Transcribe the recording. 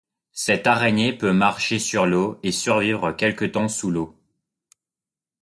Cette araignée peut marcher sur l'eau et survivre quelque temps sous l'eau.